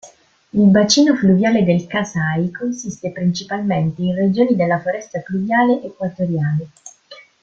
Il bacino fluviale del Kasai consiste principalmente in regioni della foresta pluviale equatoriale.